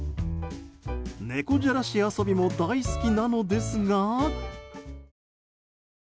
猫じゃらし遊びも大好きなのですが。